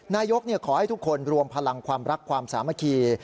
นายกขอให้ทุกคนรวมพลังความรักความสามัคคี